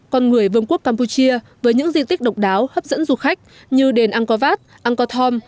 con người vương quốc campuchia với những di tích độc đáo hấp dẫn du khách như đền angkor wat angkor thom